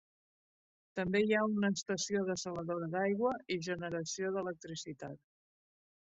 També hi ha una estació dessaladora d'aigua i generació d'electricitat.